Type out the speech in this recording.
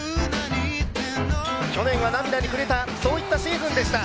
去年は涙にくれた、そういったシーズンでした。